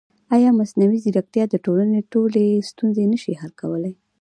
ایا مصنوعي ځیرکتیا د ټولنې ټولې ستونزې نه شي حل کولی؟